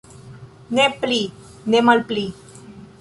Ne pli, ne malpli.